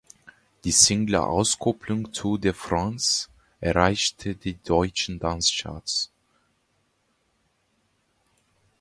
Die Single-Auskopplung "Tour de France" erreichte die deutschen Dance-Charts.